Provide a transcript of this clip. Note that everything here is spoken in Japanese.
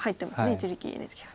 一力ＮＨＫ杯。